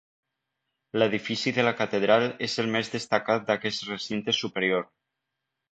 L'edifici de la catedral és el més destacat d'aquest recinte superior.